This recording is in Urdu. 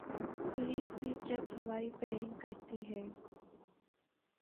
پولیس بھی جب ہوائی فائرنگ کرتی ہے۔